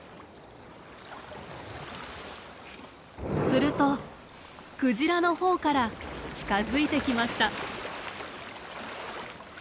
するとクジラのほうから近づいてきました。